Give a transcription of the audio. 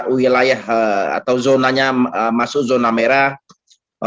wilayah atau zonanya masuk zona merah